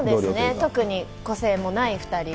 特に個性もない２人で。